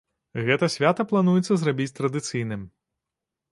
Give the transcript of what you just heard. Гэта свята плануецца зрабіць традыцыйным.